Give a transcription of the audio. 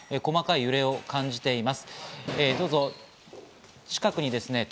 縦揺れを感じています。